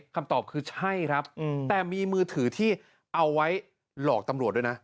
คำตอบคือใช่ครับแต่มีมือถือที่เอาไว้หลอกตำรวจด้วยนะ